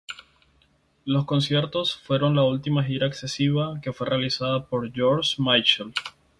Los conciertos fueron la última gira excesiva que fue realizada por George Michael.